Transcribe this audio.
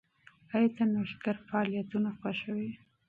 ایا ته نوښتګر فعالیتونه خوښوې؟